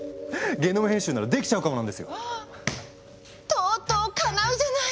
とうとうかなうじゃない！